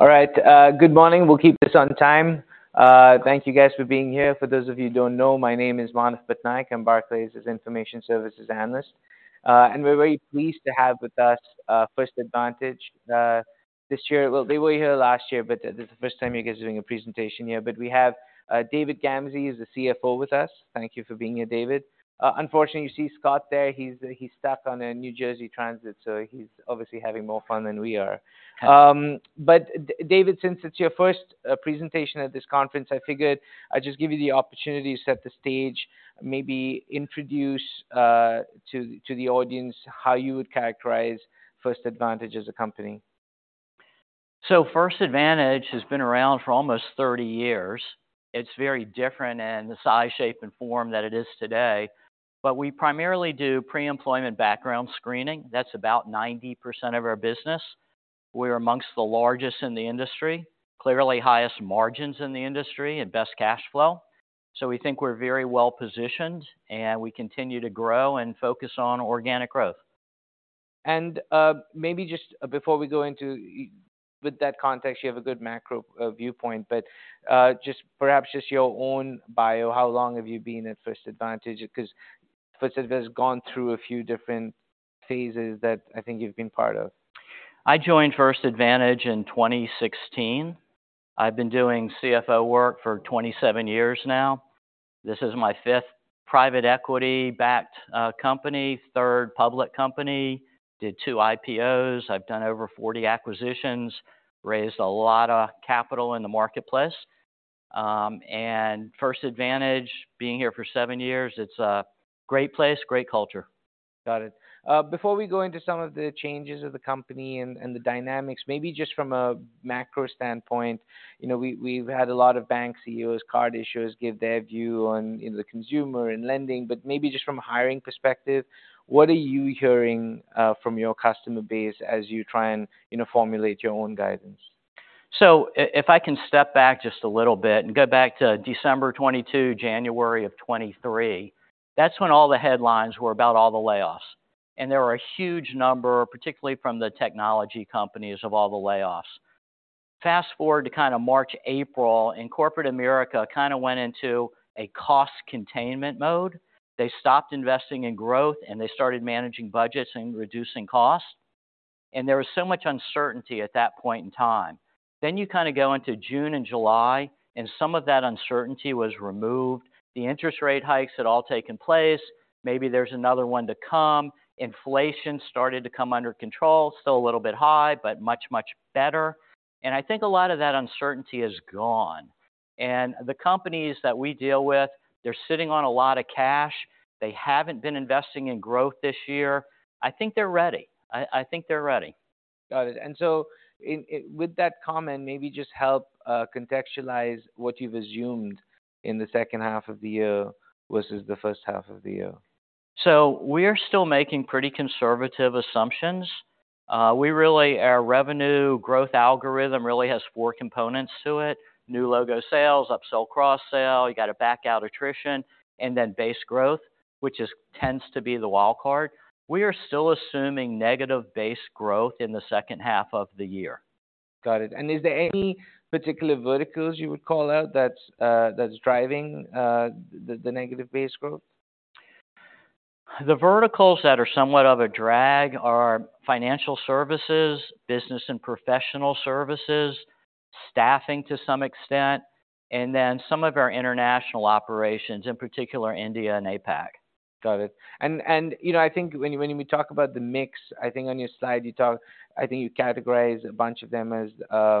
All right, good morning. We'll keep this on time. Thank you guys for being here. For those of you who don't know, my name is Manav Patnaik. I'm Barclays' Information Services analyst. And we're very pleased to have with us First Advantage. This year- well, they were here last year, but this is the first time you guys are doing a presentation here. But we have David Gamsey. He's the CFO with us. Thank you for being here, David. Unfortunately, you see Scott there. He's stuck on a New Jersey Transit, so he's obviously having more fun than we are. But David, since it's your first presentation at this conference, I figured I'd just give you the opportunity to set the stage, maybe introduce to the audience how you would characterize First Advantage as a company. First Advantage has been around for almost 30 years. It's very different in the size, shape, and form that it is today. We primarily do pre-employment background screening. That's about 90% of our business. We're amongst the largest in the industry, clearly highest margins in the industry and best cash flow. We think we're very well-positioned, and we continue to grow and focus on organic growth. Maybe just before we go into this. With that context, you have a good macro viewpoint, but just perhaps just your own bio, how long have you been at First Advantage? Because First Advantage has gone through a few different Phases that I think you've been part of. I joined First Advantage in 2016. I've been doing CFO work for 27 years now. This is my 5th private equity-backed company, 3rd public company. Did 2 IPOs. I've done over 40 acquisitions, raised a lot of capital in the marketplace. First Advantage, being here for 7 years, First Advantage is a great place with a great culture. Got it. Before we go into some of the changes of the company and the dynamics, maybe just from a macro standpoint, we've had a lot of bank CEOs, card issuers give their view on the consumer and lending, but maybe just from a hiring perspective, what are you hearing from your customer base as you try and, formulate your own guidance? So if I can step back just a little bit and go back to December 2022, January of 2023, that's when all the headlines were about all the layoffs, and there were a huge number, particularly from the technology companies, of all the layoffs. Fast forward to kind of March, April, and corporate America kind of went into a cost containment mode. They stopped investing in growth, and they started managing budgets and reducing costs, and there was so much uncertainty at that point in time. Then you kind of go into June and July, and some of that uncertainty was removed. The interest rate hikes had all taken place. Maybe there's another one to come. Inflation started to come under control. Still a little bit high, but much, much better. And I think a lot of that uncertainty is gone. The companies that we deal with, they're sitting on a lot of cash. They haven't been investing in growth this year. I think they're ready. Got it. And so, with that comment, maybe just help contextualize what you've assumed in the second half of the year versus the first half of the year. We're still making pretty conservative assumptions. Our revenue growth algorithm really has four components to it: New Logo sales, upsell, cross-sell, you got to back out attrition, and then base growth, which tends to be the wild card. We are still assuming negative base growth in the second half of the year. Got it. Is there any particular verticals you would call out that's driving the negative base growth? The verticals that are somewhat of a drag are financial services, business and professional services, staffing to some extent, and then some of our international operations, in particular, India and APAC. Got it. And I think when we talk about the mix, I think on your side, I think you categorize a bunch of them as the, I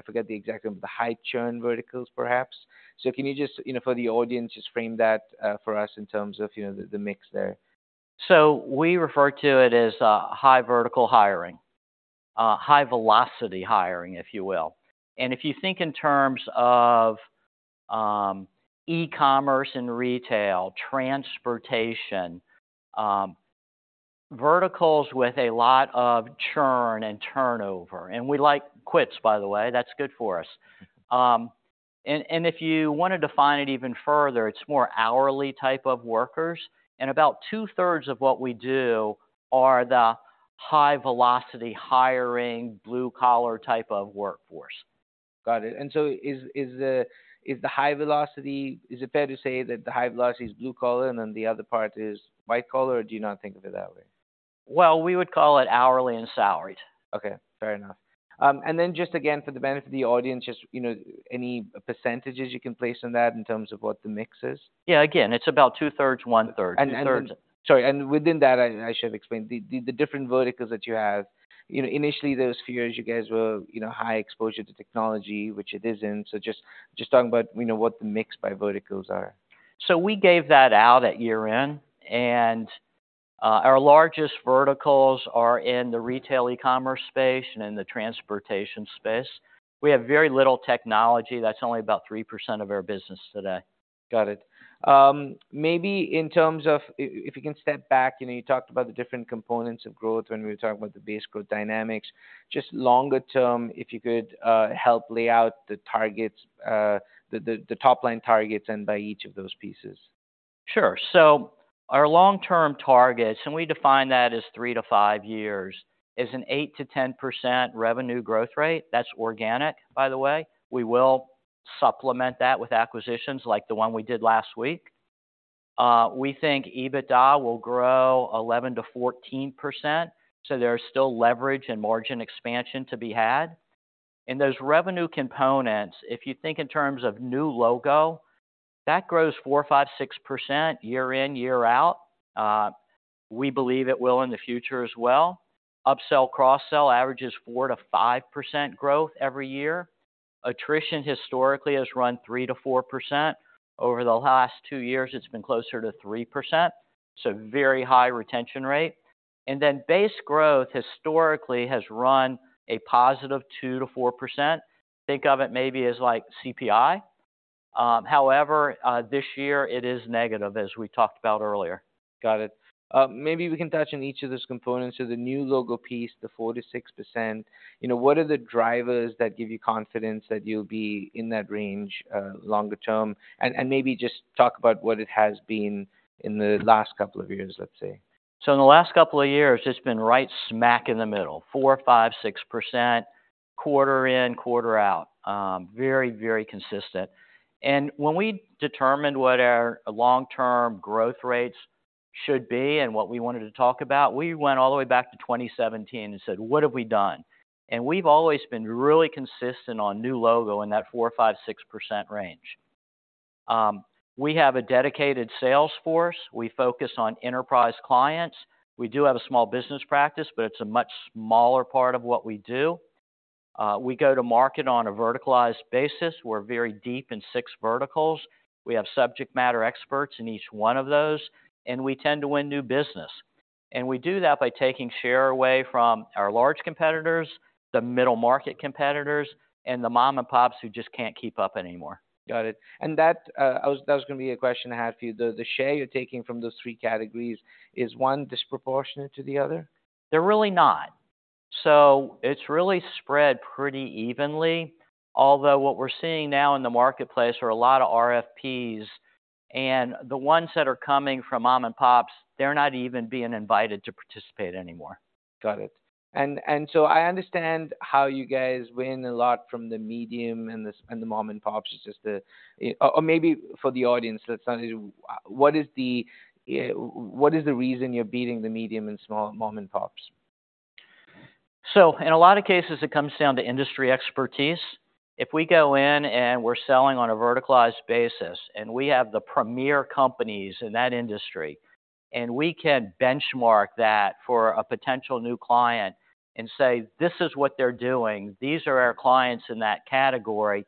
don’t recall the exact name, the high churn verticals, perhaps. So can you just, for the audience, just frame that for us in terms of the mix there? So we refer to it as high-velocity hiring, if you will. And if you think in terms of e-commerce and retail, transportation, verticals with a lot of churn and turnover, and we like quits, by the way, High turnover is good for us. And if you want to define it even further, it's more hourly type of workers, and about two-thirds of what we do are the high-velocity hiring, blue-collar type of workforce. Got it. And so, is it fair to say that the high-velocity is blue collar and then the other part is white collar, or do you not think of it that way? Well, we would call it hourly and salaried. Okay, fair enough. And then just again, for the benefit of the audience, just, any percentages you can place on that in terms of what the mix is? Again, it's about two-thirds, one-third. And two-thirds. Sorry, and within that, I should explain the different verticals that you have. initially, those few years, you guys were, high exposure to technology, which it is in. So just talking about, what the mix by verticals are. So we gave that out at year-end, and our largest verticals are in the retail e-commerce space and in the transportation space. We have very little technology. That's only about 3% of our business today. Got it. Maybe in terms of if you can step back, you talked about the different components of growth when we were talking about the base growth dynamics. Just longer term, if you could, help lay out the targets, the top-line targets and by each of those pieces. Sure. So our long-term targets, and we define that as 3-5 years, is an 8%-10% revenue growth rate. That's organic, by the way. We will supplement that with acquisitions like the one we did last week. We think EBITDA will grow 11%-14%, so there is still leverage and margin expansion to be had. And those revenue components, if you think in terms of new logo, that grows 4%-6%, year in, year out. We believe it will in the future as well. Upsell, cross-sell averages 4%-5% growth every year. Attrition historically has run 3%-4%. Over the last 2 years, it's been closer to 3%, so very high retention rate. And then base growth historically has run a +2%-4%. Think of it maybe as like CPI. However, this year it is negative, as we talked about earlier. Got it. Maybe we can touch on each of those components. So the New Logo piece, the 4%-6%, what are the drivers that give you confidence that you'll be in that range, longer term? And, and maybe just talk about what it has been in the last couple of years, let's say. So in the last couple of years, it's been right smack in the middle, 4, 5, 6%, quarter in, quarter out. Very consistent. And when we determined what our long-term growth rates should be and what we wanted to talk about, we went all the way back to 2017 and said, "What have we done?" And we've always been really consistent on New Logo in that 4, 5, 6% range. We have a dedicated sales force. We focus on enterprise clients. We do have a small business practice, but it's a much smaller part of what we do. We go to market on a verticalized basis. We're very deep in six verticals. We have subject matter experts in each one of those, and we tend to win new business. We do that by taking share away from our large competitors, the middle market competitors, and the mom-and-pops who just can't keep up anymore. Got it. And that, that was going to be a question I had for you. The share you're taking from those three categories, is one disproportionate to the other? They're really not. So it's really spread pretty evenly, although what we're seeing now in the marketplace are a lot of RFPs, and the ones that are coming from mom-and-pops, they're not even being invited to participate anymore. Got it. And so I understand how you guys win a lot from the medium and the small and the mom-and-pops, it's just the or maybe for the audience, that's not, what is the, what is the reason you're beating the medium and small mom-and-pops? So in a lot of cases, it comes down to industry expertise. If we go in and we're selling on a verticalized basis, and we have the premier companies in that industry, and we can benchmark that for a potential new client and say, "This is what they're doing, these are our clients in that category,"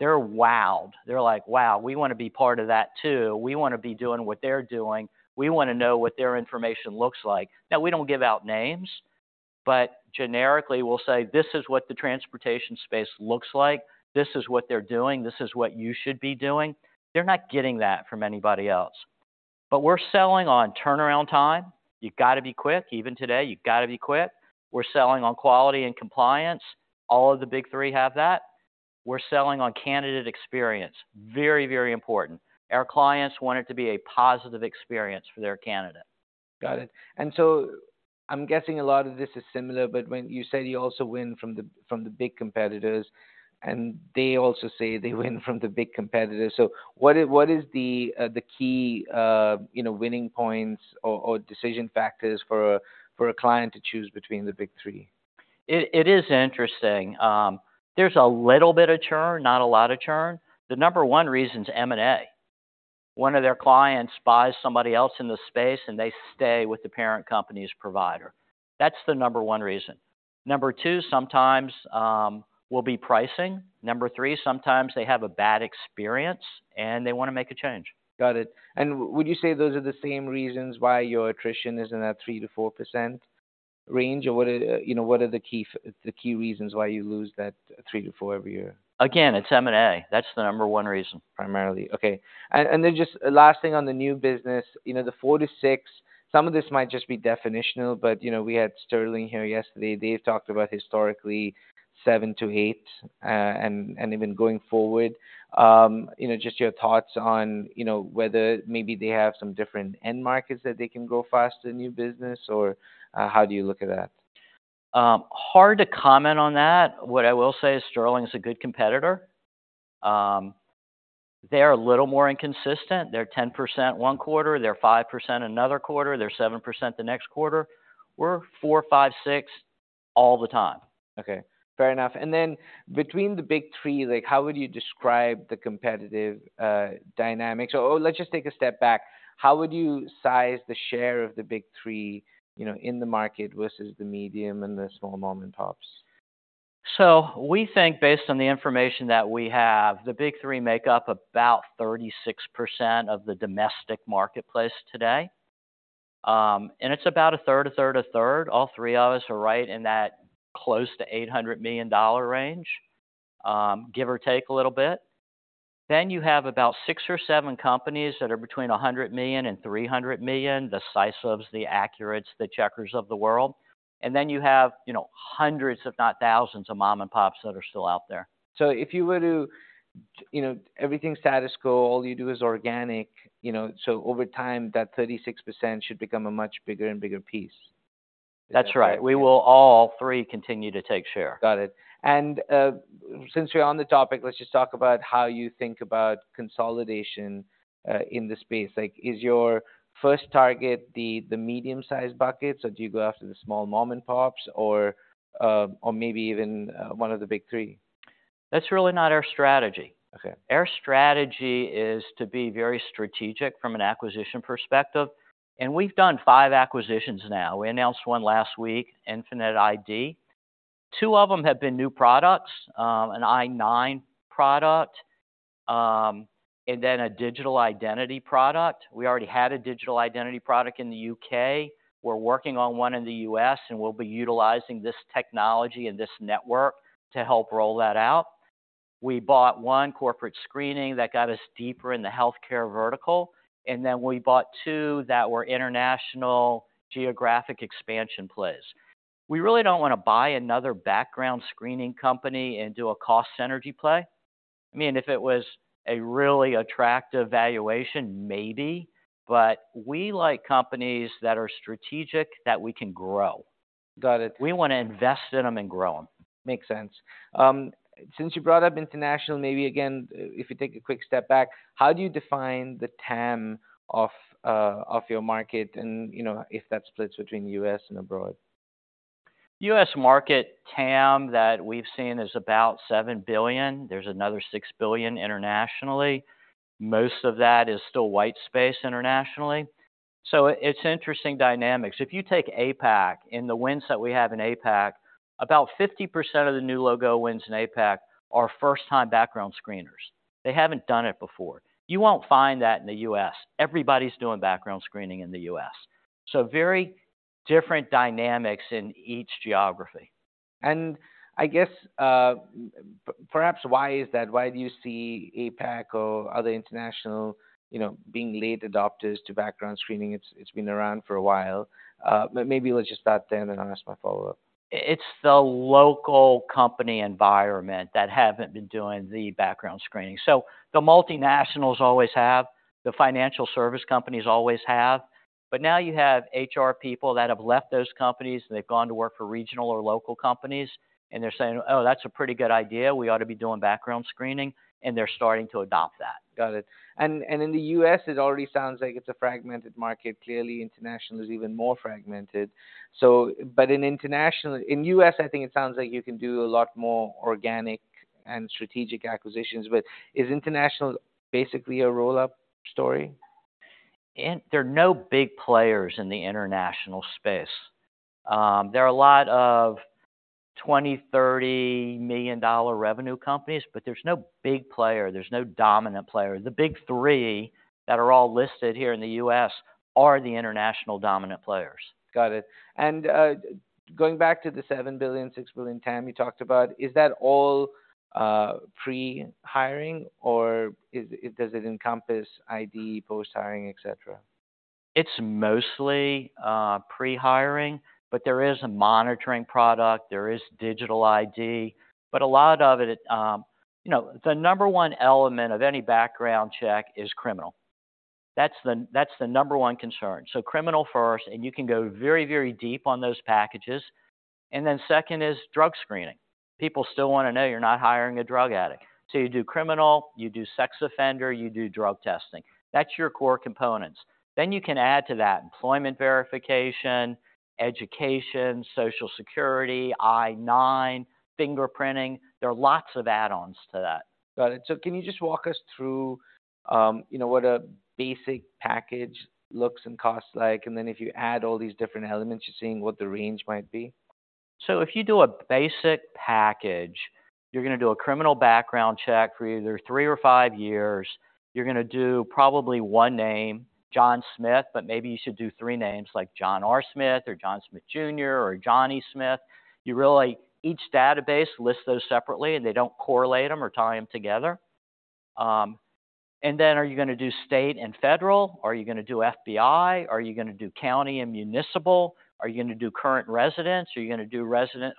they're wowed. They're like, "Wow, we want to be part of that too. We want to be doing what they're doing. We want to know what their information looks like." Now, we don't give out names, but generically, we'll say, "This is what the transportation space looks like. This is what they're doing. This is what you should be doing." They're not getting that from anybody else. But we're selling on turnaround time. You've got to be quick. Even today, you've got to be quick. We're selling on quality and compliance. All of the big three have that. We're selling on candidate experience. Very important. Our clients want it to be a positive experience for their candidate. Got it. And so I'm guessing a lot of this is similar, but when you said you also win from the, from the big competitors, and they also say they win from the big competitors, so what is, what is the key winning points or, or decision factors for a, for a client to choose between the big three? It is interesting. There's a little bit of churn, not a lot of churn. The number one reason is M&A. One of their clients buys somebody else in the space, and they stay with the parent company's provider. That's the number one reason. Number two, sometimes, will be pricing. Number three, sometimes they have a bad experience, and they want to make a change. Got it. And would you say those are the same reasons why your attrition is in that 3%-4% range, or, what are the key reasons why you lose that 3-4 every year? Again, it's M&A. That's the number one reason. Primarily. Okay. And then just last thing on the new business, the 4-6, some of this might just be definitional, but, we had Sterling here yesterday. They talked about historically 7-8, and even going forward, just your thoughts on, whether maybe they have some different end markets that they can grow faster new business, or, how do you look at that? Hard to comment on that. What I will say is Sterling is a good competitor. They're a little more inconsistent. They're 10% one quarter, they're 5% another quarter, they're 7% the next quarter. We're 4, 5, 6 all the time. Okay, fair enough. And then between the big three, like, how would you describe the competitive dynamics? Or, let's just take a step back. How would you size the share of the big three, in the market versus the medium and the small mom-and-pops? So we think, based on the information that we have, the big three make up about 36% of the domestic marketplace today. And it's about a third, a third, a third. All three of us are right in that close to $800 million range, give or take a little bit. Then you have about six or seven companies that are between $100 million and $300 million, the SISabs, the Accurates, the Checkrs of the world. And then you have, hundreds, if not thousands, of mom-and-pops that are still out there. So if you were to, everything status quo, all you do is organic, so over time, that 36% should become a much bigger and bigger piece? That's right. We will all three continue to take share. Got it. And, since we're on the topic, let's just talk about how you think about consolidation in the space. Like, is your first target the medium-sized buckets, or do you go after the small mom-and-pops or, or maybe even one of the big three? That's really not our strategy. Okay. Our strategy is to be very strategic from an acquisition perspective, and we've done five acquisitions now. We announced one last week, Infinite ID. Two of them have been new products, an I-9 product, and then a digital identity product. We already had a digital identity product in the UK. We're working on one in the US, and we'll be utilizing this technology and this network to help roll that out. We bought one corporate screening that got us deeper in the healthcare vertical, and then we bought two that were international geographic expansion plays. We really don't want to buy another background screening company and do a cost synergy play. I mean, if it was a really attractive valuation, maybe, but we like companies that are strategic, that we can grow. Got it. We want to invest in them and grow them. Makes sense. Since you brought up international, maybe again, if you take a quick step back, how do you define the TAM of your market? And, if that splits between U.S. and abroad. U.S. market TAM that we've seen is about $7 billion. There's another $6 billion internationally. Most of that is still white space internationally, so it's interesting dynamics. If you take APAC, and the wins that we have in APAC, about 50% of the new logo wins in APAC are first-time background screeners. They haven't done it before. You won't find that in the U.S. Everybody's doing background screening in the U.S., so very different dynamics in each geography. I guess, perhaps why is that? Why do you see APAC or other international, being late adopters to background screening? It's been around for a while, but maybe let's just start there, and then I'll ask my follow-up. It's the local company environment that haven't been doing the background screening. So the multinationals always have, the financial service companies always have, but now you have HR people that have left those companies, and they've gone to work for regional or local companies, and they're saying, "Oh, that's a pretty good idea. We ought to be doing background screening," and they're starting to adopt that. Got it. And in the U.S., it already sounds like it's a fragmented market. Clearly, international is even more fragmented, so But in international, in the U.S., I think it sounds like you can do a lot more organic and strategic acquisitions, but is international basically a roll-up story? There are no big players in the international space. There are a lot of $20-$30 million revenue companies, but there's no big player. There's no dominant player. The big three that are all listed here in the US are the international dominant players. Got it. Going back to the $7 billion, $6 billion TAM you talked about, is that all pre-hiring or does it encompass ID, post-hiring, et cetera? It's mostly pre-hiring, but there is a monitoring product, there is digital ID, but a lot of it. the number one element of any background check is criminal. That's the number one concern. So criminal first, and you can go very deep on those packages, and then second is drug screening. People still want to know you're not hiring a drug addict. So you do criminal, you do sex offender, you do drug testing. That's your core components. Then you can add to that employment verification, education, Social Security, I-9, fingerprinting. There are lots of add-ons to that. Got it. So can you just walk us through, what a basic package looks like and costs, and then if you add all these different elements, just seeing what the range might be? So if you do a basic package, you're going to do a criminal background check for either 3 or 5 years. You're going to do probably 1 name, John Smith, but maybe you should do 3 names like John R. Smith or John Smith Jr. or Johnny Smith. You really—each database lists those separately, and they don't correlate them or tie them together. And then are you going to do state and federal? Are you going to do FBI? Are you going to do county and municipal? Are you going to do current residence? Are you going to do resident,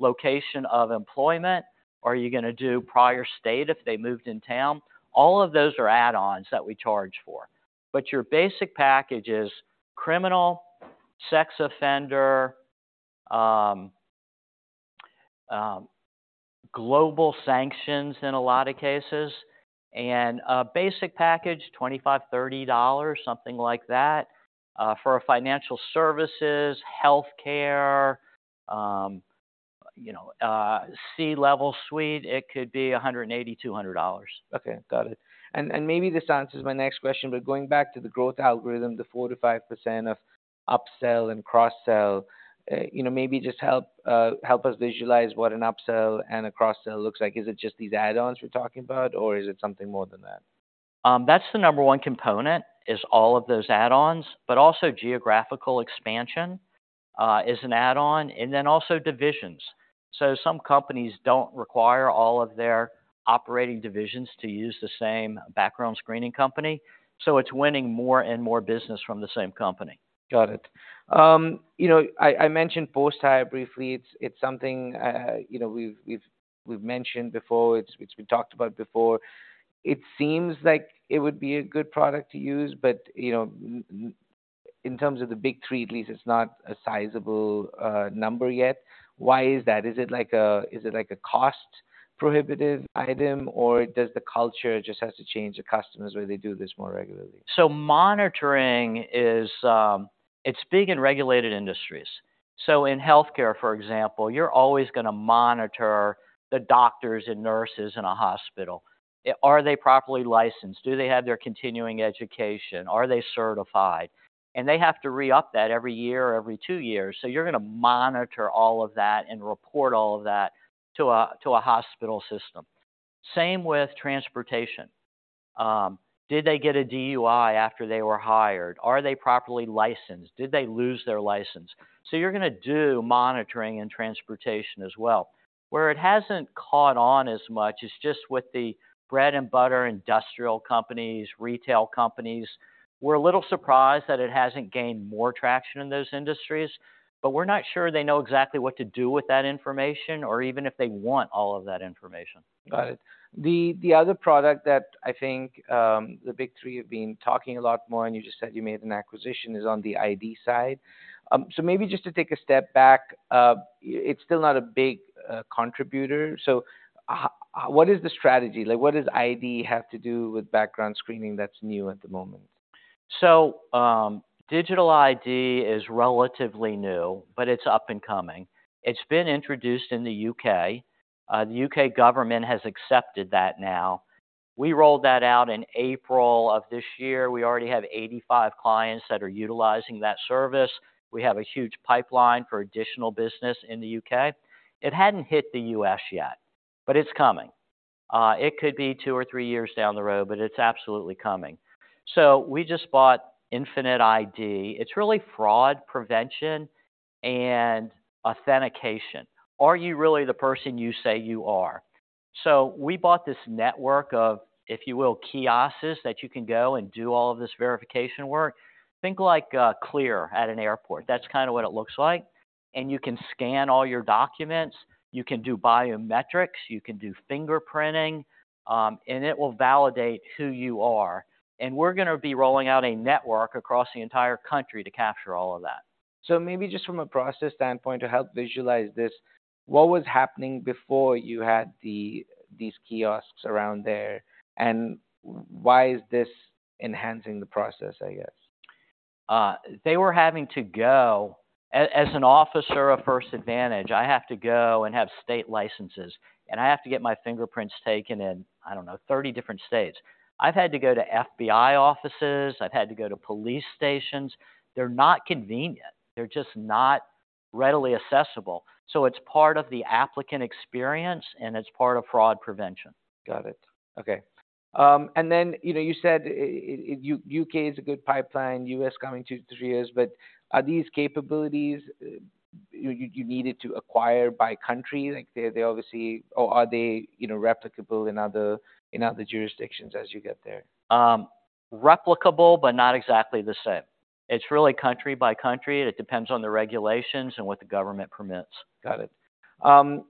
location of employment, or are you going to do prior state if they moved in town? All of those are add-ons that we charge for, but your basic package is criminal, sex offender, global sanctions in a lot of cases, and basic package, $25-$30, something like that. For a financial services, healthcare, C-suite, it could be $180-$200. Okay, got it. And maybe this answers my next question, but going back to the growth algorithm, the 4%-5% of upsell and cross-sell, maybe just help us visualize what an upsell and a cross-sell looks like. Is it just these add-ons we're talking about, or is it something more than that? That's the number one component, is all of those add-ons, but also geographical expansion, is an add-on, and then also divisions. So some companies don't require all of their operating divisions to use the same background screening company, so it's winning more and more business from the same company. Got it. I mentioned post-hire briefly. It's something, we've mentioned before, it's been talked about before It seems like it would be a good product to use, but, in terms of the big three, at least, it's not a sizable number yet. Why is that? Is it like a cost prohibitive item, or does the culture just have to change the customers where they do this more regularly? So monitoring is, it's big in regulated industries. So in healthcare, for example, you're always going to monitor the doctors and nurses in a hospital. Are they properly licensed? Do they have their continuing education? Are they certified? And they have to re-up that every year or every two years. So you're going to monitor all of that and report all of that to a hospital system. Same with transportation. Did they get a DUI after they were hired? Are they properly licensed? Did they lose their license? So you're going to do monitoring in transportation as well. Where it hasn't caught on as much is just with the bread and butter industrial companies, retail companies. We're a little surprised that it hasn't gained more traction in those industries, but we're not sure they know exactly what to do with that information or even if they want all of that information. Got it. The other product that I think the big three have been talking a lot more, and you just said you made an acquisition, is on the ID side. So maybe just to take a step back, it's still not a big contributor. So, what is the strategy, like, what does ID have to do with background screening that's new at the moment? So, digital ID is relatively new, but it's up and coming. It's been introduced in the U.K. The U.K. government has accepted that now. We rolled that out in April of this year. We already have 85 clients that are utilizing that service. We have a huge pipeline for additional business in the U.K. It hadn't hit the U.S. yet, but it's coming. It could be 2 or 3 years down the road, but it's absolutely coming. So we just bought Infinite ID. It's really fraud prevention and authentication. Are you really the person you say you are? So we bought this network of, if you will, kiosks, that you can go and do all of this verification work. Think like CLEAR at an airport. That's kind of what it looks like. You can scan all your documents, you can do biometrics, you can do fingerprinting, and it will validate who you are. We're going to be rolling out a network across the entire country to capture all of that. So maybe just from a process standpoint, to help visualize this, what was happening before you had these kiosks around there, and why is this enhancing the process, I guess? As an officer of First Advantage, I have to go and have state licenses, and I have to get my fingerprints taken in, I don't know, 30 different states. I've had to go to FBI offices. I've had to go to police stations. They're not convenient. They're just not readily accessible. So it's part of the applicant experience, and it's part of fraud prevention. Got it. Okay. And then, you said U.K. is a good pipeline, U.S. coming 2-3 years, but are these capabilities, you needed to acquire by country? Like, they, they obviously Or are they, replicable in other, in other jurisdictions as you get there? Replicable, but not exactly the same. It's really country by country. It depends on the regulations and what the government permits. Got it.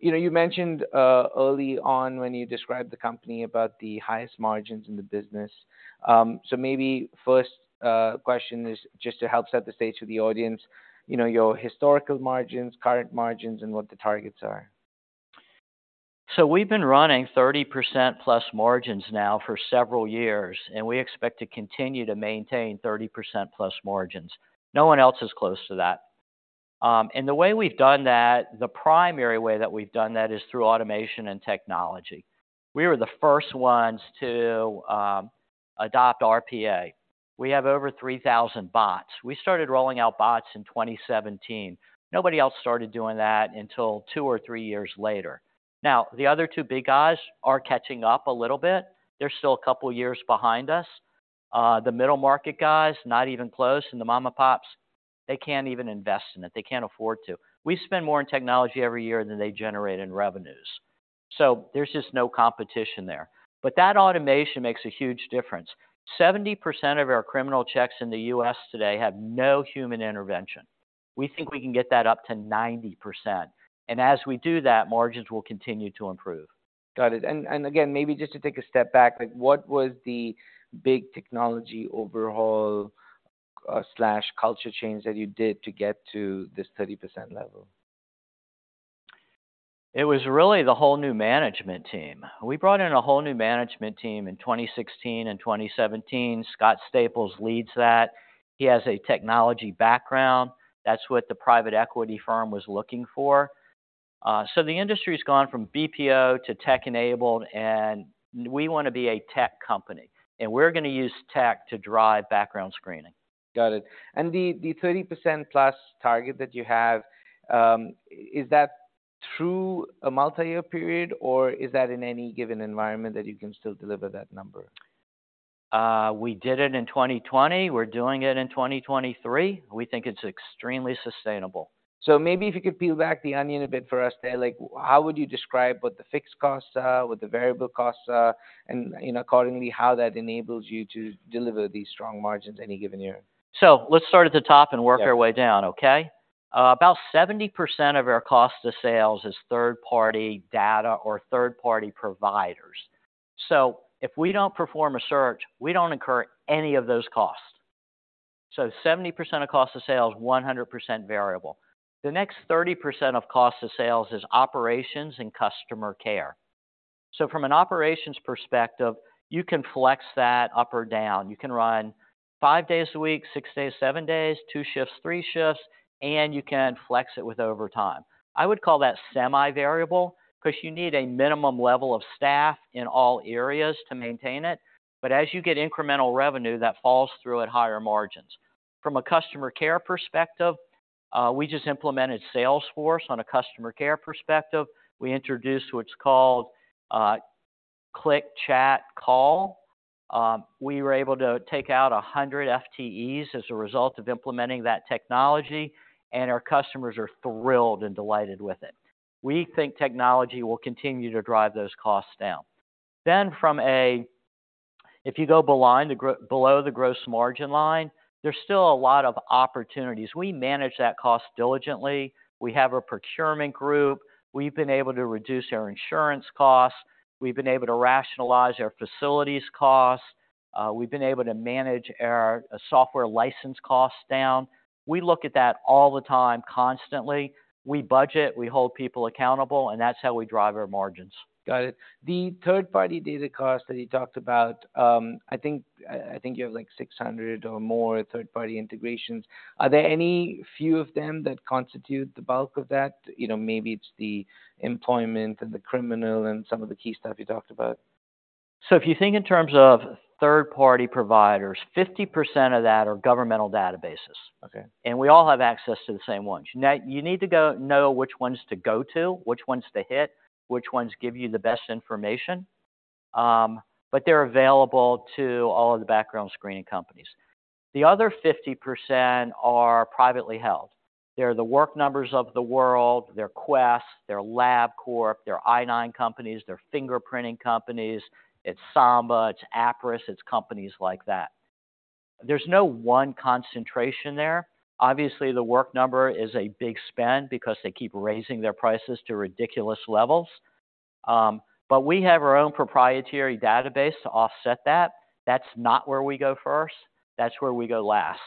you mentioned early on when you described the company about the highest margins in the business. So maybe first, question is just to help set the stage for the audience, your historical margins, current margins, and what the targets are. So we've been running 30%+ margins now for several years, and we expect to continue to maintain 30%+ margins. No one else is close to that. And the way we've done that, the primary way that we've done that is through automation and technology. We were the first ones to adopt RPA. We have over 3,000 bots. We started rolling out bots in 2017. Nobody else started doing that until two or three years later. Now, the other two big guys are catching up a little bit. They're still a couple of years behind us. The middle market guys, not even close, and the mom-and-pops, they can't even invest in it. They can't afford to. We spend more in technology every year than they generate in revenues. So there's just no competition there. But that automation makes a huge difference. 70% of our criminal checks in the U.S. today have no human intervention. We think we can get that up to 90%, and as we do that, margins will continue to improve. Got it. And, again, maybe just to take a step back, like, what was the big technology overhaul slash culture change that you did to get to this 30% level? It was really the whole new management team. We brought in a whole new management team in 2016 and 2017. Scott Staples leads that. He has a technology background. That's what the private equity firm was looking for. So the industry's gone from BPO to tech-enabled, and we want to be a tech company, and we're going to use tech to drive background screening. Got it. And the 30%+ target that you have, is that through a multi-year period, or is that in any given environment that you can still deliver that number? We did it in 2020. We're doing it in 2023. We think it's extremely sustainable. Maybe if you could peel back the onion a bit for us there, like, how would you describe what the fixed costs are, what the variable costs are, and, accordingly, how that enables you to deliver these strong margins any given year? Let's start at the top Work our way down, okay? About 70% of our cost of sales is third-party data or third-party providers. So if we don't perform a search, we don't incur any of those costs. So 70% of cost of sales, 100% variable. The next 30% of cost of sales is operations and customer care. So from an operations perspective, you can flex that up or down. You can run 5 days a week, 6 days, 7 days, 2 shifts, 3 shifts, and you can flex it with overtime. I would call that semi-variable, 'cause you need a minimum level of staff in all areas to maintain it, but as you get incremental revenue, that falls through at higher margins. From a customer care perspective, we just implemented Salesforce on a customer care perspective. We introduced what's called, Click, Chat, Call. We were able to take out 100 FTEs as a result of implementing that technology, and our customers are thrilled and delighted with it. We think technology will continue to drive those costs down. Then if you go below the gross margin line, there's still a lot of opportunities. We manage that cost diligently, we have a procurement group, we've been able to reduce our insurance costs, we've been able to rationalize our facilities costs, we've been able to manage our software license costs down. We look at that all the time, constantly. We budget, we hold people accountable, and that's how we drive our margins. Got it. The third-party data costs that you talked about, I think you have, like, 600 or more third-party integrations. Are there any few of them that constitute the bulk of that? maybe it's the employment and the criminal and some of the key stuff you talked about. If you think in terms of third-party providers, 50% of that are governmental databases. Okay. We all have access to the same ones. Now, you need to know which ones to go to, which ones to hit, which ones give you the best information, but they're available to all of the background screening companies. The other 50% are privately held. They're the Work Number of the world, they're Quest, they're LabCorp, they're I-9 companies, they're fingerprinting companies, it's Samba, it's Appriss, it's companies like that. There's no one concentration there. Obviously, the Work Number is a big spend because they keep raising their prices to ridiculous levels. But we have our own proprietary database to offset that. That's not where we go first, that's where we go last.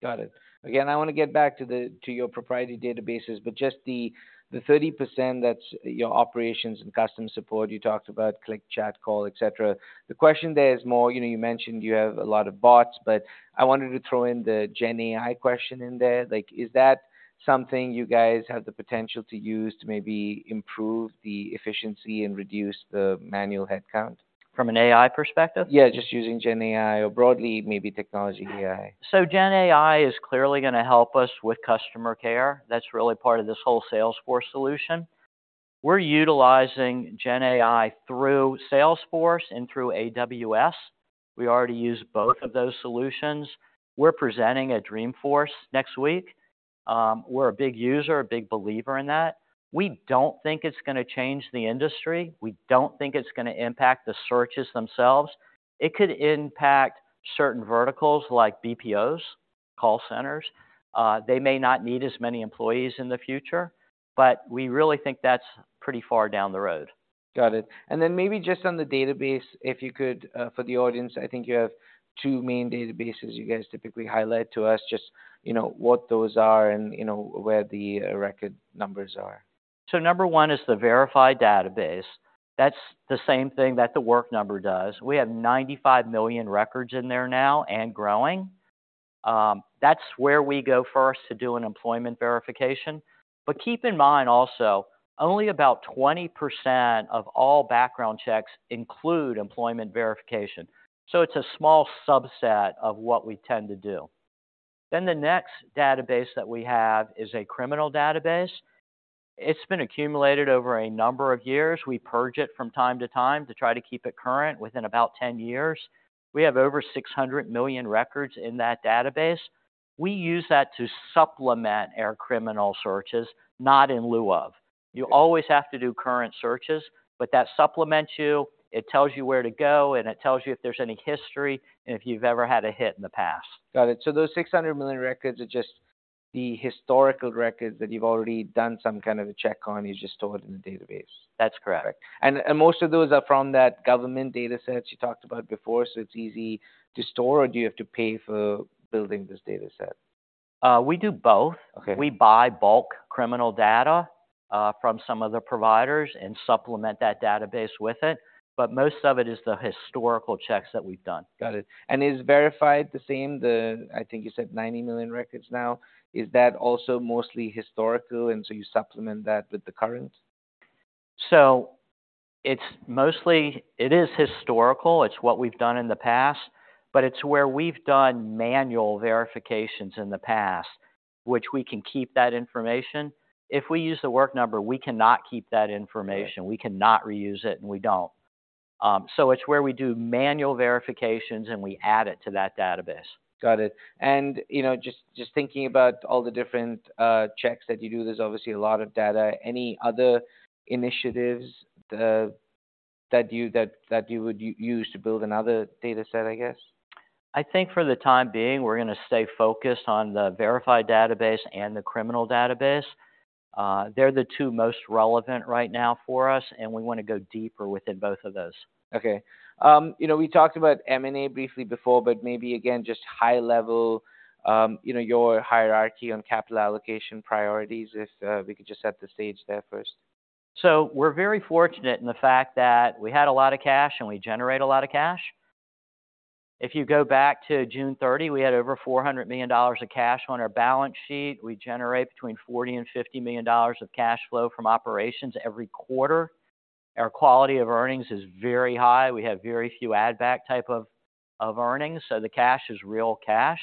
Got it. Again, I wanna get back to the, to your proprietary databases, but just the 30%, that's your operations and customer support you talked about, Click, Chat, Call, et cetera. The question there is more, you mentioned you have a lot of bots, but I wanted to throw in the Gen AI question in there. Like, is that something you guys have the potential to use to maybe improve the efficiency and reduce the manual headcount? From an AI perspective? Just using Gen AI or broadly, maybe technology AI. So Gen AI is clearly gonna help us with customer care. That's really part of this whole Salesforce solution. We're utilizing Gen AI through Salesforce and through AWS. We already use both of those solutions. We're presenting at Dreamforce next week. We're a big user, a big believer in that. We don't think it's gonna change the industry, we don't think it's gonna impact the searches themselves. It could impact certain verticals like BPOs, call centers. They may not need as many employees in the future, but we really think that's pretty far down the road. Got it. And then maybe just on the database, if you could, for the audience, I think you have two main databases you guys typically highlight to us, just, what those are and, where the record numbers are. So number one is the verified database. That's the same thing that The Work Number does. We have 95 million records in there now, and growing. That's where we go first to do an employment verification. But keep in mind also, only about 20% of all background checks include employment verification, so it's a small subset of what we tend to do. Then the next database that we have is a criminal database. It's been accumulated over a number of years. We purge it from time to time to try to keep it current, within about 10 years. We have over 600 million records in that database. We use that to supplement our criminal searches, not in lieu of. You always have to do current searches, but that supplements you, it tells you where to go, and it tells you if there's any history, and if you've ever had a hit in the past. Got it. So those 600 million records are just the historical records that you've already done some kind of a check on, you just store it in the database? That's correct. Most of those are from that government data sets you talked about before, so it's easy to store, or do you have to pay for building this data set? We do both. Okay. We buy bulk criminal data from some other providers and supplement that database with it, but most of it is the historical checks that we've done. Got it. And is verified the same, I think you said 90 million records now, is that also mostly historical, and so you supplement that with the current? So it is historical, it's what we've done in the past, but it's where we've done manual verifications in the past, which we can keep that information. If we use the Work Number, we cannot keep that information. Got it We cannot reuse it, and we don't. So it's where we do manual verifications, and we add it to that database. Got it. And, just thinking about all the different checks that you do, there's obviously a lot of data. Any other initiatives that you would use to build another data set, I guess? I think for the time being, we're gonna stay focused on the verified database and the criminal database. They're the two most relevant right now for us, and we want to go deeper within both of those. Okay. we talked about M&A briefly before, but maybe again, just high level, your hierarchy on capital allocation priorities, if we could just set the stage there first. So we're very fortunate in the fact that we had a lot of cash, and we generate a lot of cash. If you go back to June 30, we had over $400 million of cash on our balance sheet. We generate between $40 million and $50 million of cash flow from operations every quarter. Our quality of earnings is very high. We have very few add-back type of earnings, so the cash is real cash.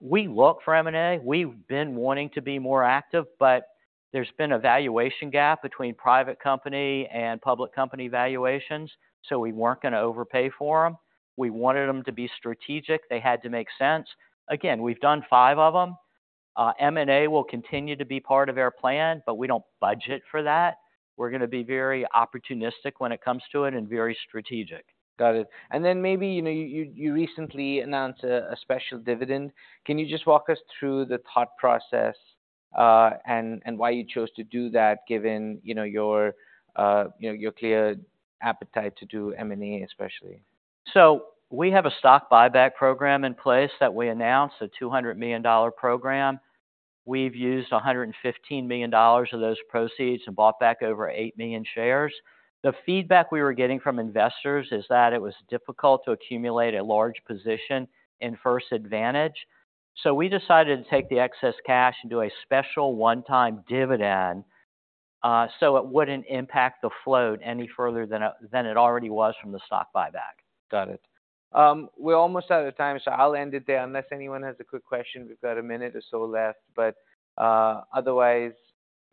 We look for M&A. We've been wanting to be more active, but there's been a valuation gap between private company and public company valuations, so we weren't gonna overpay for them. We wanted them to be strategic. They had to make sense. Again, we've done five of them. M&A will continue to be part of our plan, but we don't budget for that. We're gonna be very opportunistic when it comes to it and very strategic. Got it. And then maybe, you recently announced a special dividend. Can you just walk us through the thought process, and why you chose to do that, given, your, your clear appetite to do M&A, especially? So we have a stock buyback program in place that we announced, a $200 million program. We've used $115 million of those proceeds and bought back over 8 million shares. The feedback we were getting from investors is that it was difficult to accumulate a large position in First Advantage. So we decided to take the excess cash and do a special one-time dividend, so it wouldn't impact the float any further than it already was from the stock buyback. Got it. We're almost out of time, so I'll end it there, unless anyone has a quick question. We've got a minute or so left, but, otherwise,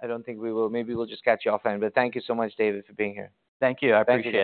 I don't think we will. Maybe we'll just catch you offline. But thank you so much, David, for being here. Thank you. I appreciate it.